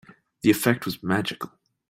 The effect was magical.